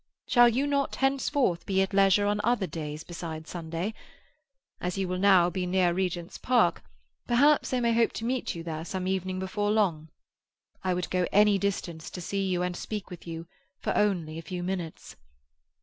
Shall you not henceforth be at leisure on other days besides Sunday? As you will now be near Regent's Park, perhaps I may hope to meet you there some evening before long. I would go any distance to see you and speak with you for only a few minutes.